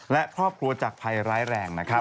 และครอบครัวจากภัยร้ายแรงนะครับ